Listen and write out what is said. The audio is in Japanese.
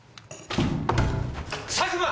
佐久間！